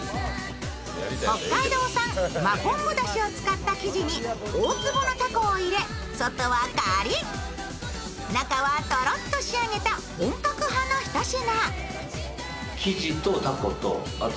北海道産真昆布だしを使った生地に、大粒のたこを入れ、外はカリッ中はとろっと仕上げた本格派のひと品。